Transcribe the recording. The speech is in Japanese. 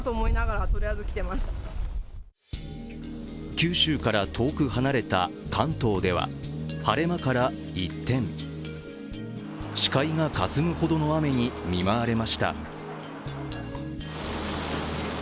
九州から遠く離れた関東では晴れ間から一転、視界がかすむほどの雨に見舞われました。